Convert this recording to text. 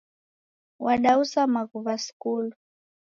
Wadauza maghuw'a skulu.